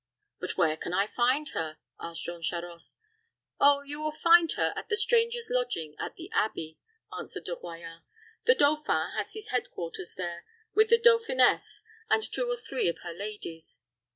"But where can I find her?" asked Jean Charost. "Oh, you will find her at the Strangers' Lodging at the abbey," answered De Royans. "The dauphin has his head quarters there, with the dauphiness and two or three of her ladies.